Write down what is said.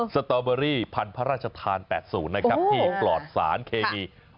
สตอเบอรี่พันธุ์พระราชทาน๘๐นะครับที่ปลอดสารเคมี